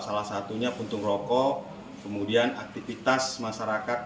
salah satunya puntung rokok kemudian aktivitas masyarakat